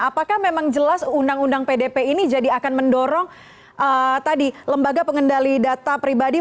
apakah memang jelas undang undang pdp ini jadi akan mendorong tadi lembaga pengendali data pribadi